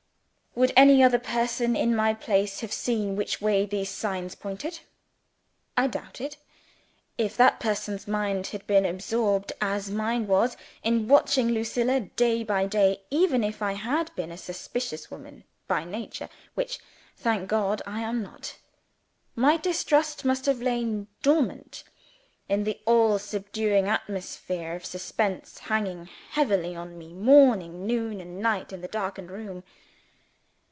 Would any other person, in my place, have seen which way these signs pointed? I doubt it, if that person's mind had been absorbed, as mine was, in watching Lucilla day by day. Even if I had been a suspicious woman by nature which, thank God, I am not my distrust must have lain dormant, in the all subduing atmosphere of suspense hanging heavily on me morning, noon, and night in the darkened room.